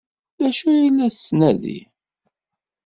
D acu ay la yettnadi?